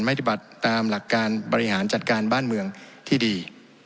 ปฏิบัติตามหลักการบริหารจัดการบ้านเมืองที่ดี